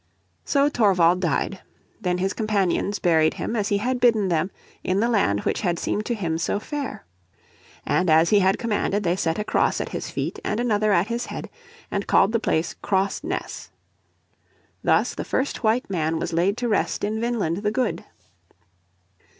So Thorvald died. Then his companions buried him as he had bidden them in the land which had seemed to him so fair. And as he had commanded they set a cross at his feet and another at his head, and called the place Cross Ness. Thus the first white man was laid to rest in Vineland the Good.